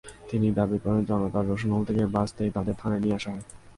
তিনি দাবি করেন, জনতার রোষানল থেকে বাঁচাতেই তাঁদের থানায় নিয়ে আসা হয়।